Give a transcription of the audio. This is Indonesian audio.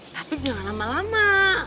tapi jangan lama lama